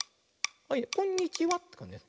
はいこんにちは。